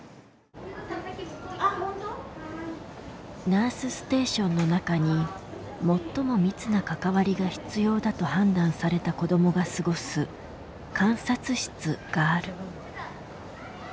ナースステーションの中に最も密な関わりが必要だと判断された子どもが過ごす「観察室」がある。